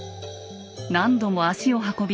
何度も足を運び